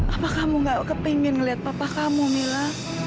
apa kamu nggak kepengen ngeliat papa kamu mila